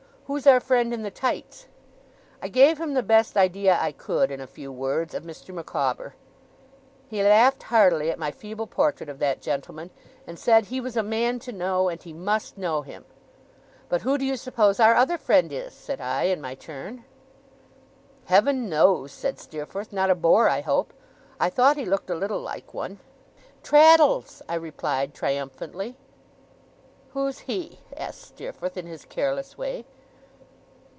'Who's our friend in the tights?' I gave him the best idea I could, in a few words, of Mr. Micawber. He laughed heartily at my feeble portrait of that gentleman, and said he was a man to know, and he must know him. 'But who do you suppose our other friend is?' said I, in my turn. 'Heaven knows,' said Steerforth. 'Not a bore, I hope? I thought he looked a little like one.' 'Traddles!' I replied, triumphantly. 'Who's he?' asked Steerforth, in his careless way.